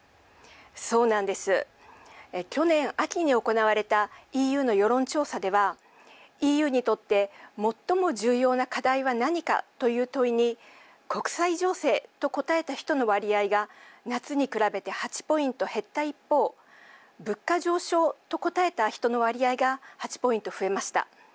去年秋に行われたＥＵの世論調査ではＥＵにとって最も重要な課題は何かという問いに国際情勢と答えた人の割合が夏に比べて８ポイント減った一方物価上昇と答えた人の割合が８ポイント増えました。